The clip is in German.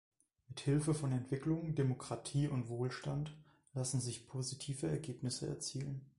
Mit Hilfe von Entwicklung, Demokratie und Wohlstand lassen sich positive Ergebnisse erzielen.